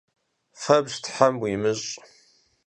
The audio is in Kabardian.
Febj them yimış'!